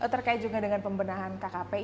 terkait juga dengan pembenahan kkp